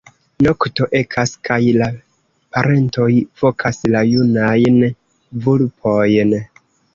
Nokto ekas, kaj la parentoj vokas la junajn vulpojn.